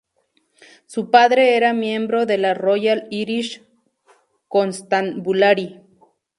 Su padre era miembro de la Royal Irish Constabulary.